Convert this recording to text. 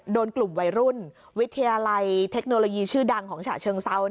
โดนกลุ่มวัยรุ่นวิทยาลัยเทคโนโลยีชื่อดังของฉะเชิงเซา